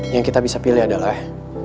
yang kita bisa pilih adalah